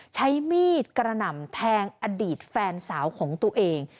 ใช้มีดกระหน่ำแทงอดีตแฟนสาวของตัวเอง